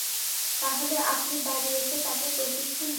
তাহলে, আপনি বাড়ি এসে তাকে প্রশিক্ষণ দিবেন?